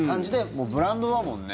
もうブランドだもんね。